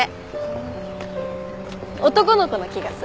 うん男の子な気がする。